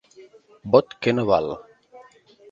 Vot que no val.